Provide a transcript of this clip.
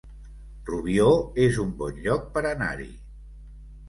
Rubió es un bon lloc per anar-hi